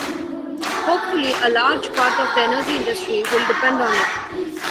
Hopefully, a large part of the energy industry will depend on it.